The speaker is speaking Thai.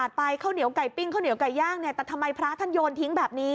คือเขาแล้วเห็นหน้าทางที่ติดน้ำผิก